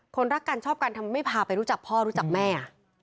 รักกันชอบกันทำไมไม่พาไปรู้จักพ่อรู้จักแม่